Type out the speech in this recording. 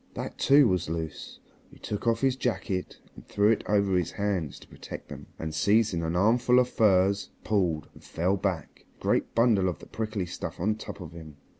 That too was loose. He took off his jacket and threw it over his hands to protect them, and seizing an armful of furze pulled, and fell back, a great bundle of the prickly stuff on top of him.